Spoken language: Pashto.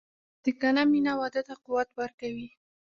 صادقانه مینه واده ته قوت ورکوي.